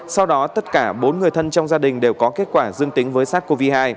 sau đó tất cả bốn người thân trong gia đình đều có kết quả dương tính với sars cov hai